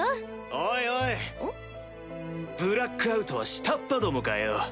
オイオイブラックアウトは下っ端どもかよ